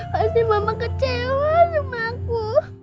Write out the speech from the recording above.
pasti mama kecewa sama aku